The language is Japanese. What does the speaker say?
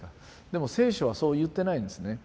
でも聖書はそう言ってないんですね。